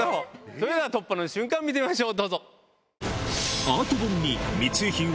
それでは突破の瞬間見てみましょう。